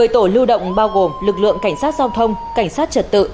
một mươi tổ lưu động bao gồm lực lượng cảnh sát giao thông cảnh sát trật tự